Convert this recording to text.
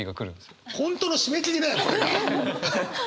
本当の締め切りだよこれが！